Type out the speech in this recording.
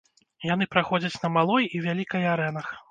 Яны праходзяць на малой і вялікай арэнах.